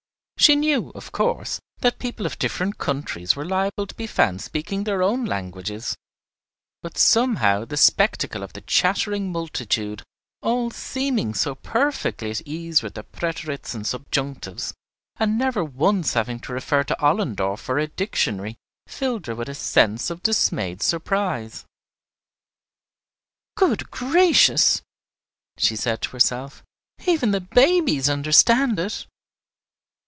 She knew, of course, that people of different countries were liable to be found speaking their own languages; but somehow the spectacle of the chattering multitude, all seeming so perfectly at ease with their preterits and subjunctives and never once having to refer to Ollendorf or a dictionary, filled her with a sense of dismayed surprise. "Good gracious!" she said to herself, "even the babies understand it!"